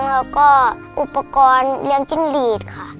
แล้วก็อุปกรณ์เลี้ยงจิ้งหลีดค่ะ